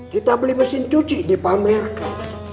kita beli mesin cuci dipamerkan